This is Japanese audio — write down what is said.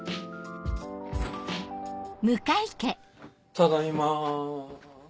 ただいま。